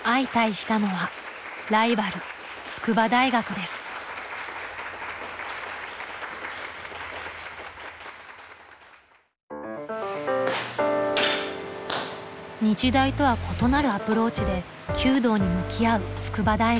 日大とは異なるアプローチで弓道に向き合う筑波大学。